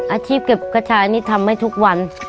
อาชีพเก็บกระชายนี่ทำให้ทุกวัน